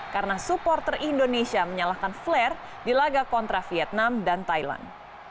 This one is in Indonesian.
karena supporter indonesia menyalahkan flair di laga kontra vietnam dan thailand